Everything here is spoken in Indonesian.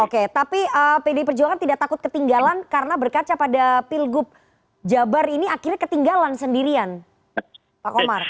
oke tapi pdi perjuangan tidak takut ketinggalan karena berkaca pada pilgub jabar ini akhirnya ketinggalan sendirian pak komar